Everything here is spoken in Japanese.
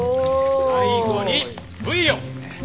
最後にブイヨン。